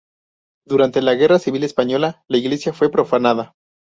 Durante la Guerra Civil Española, la iglesia fue profanada.